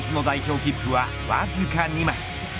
切符はわずか２枚。